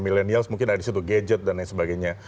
milenials mungkin ada di situ gadget dan lain sebagainya